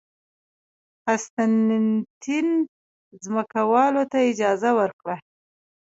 قسطنطین ځمکوالو ته اجازه ورکړه